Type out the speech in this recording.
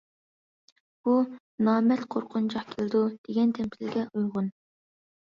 بۇ« نامەرد قورقۇنچاق كېلىدۇ» دېگەن تەمسىلگە ئۇيغۇن.